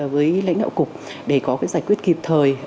với lãnh đạo cục để có cái giải quyết kịp thời